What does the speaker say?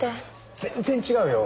全然違うよ！